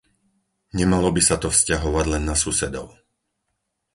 Nemalo by sa to vzťahovať len na susedov.